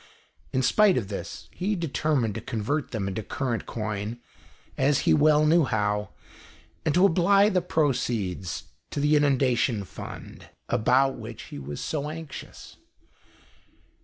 In spite of this, he determined to convert them into current coin, as he well knew how, and to apply the proceeds to the Inundation Fund about 79 GHOST TALES. which he was so anxious.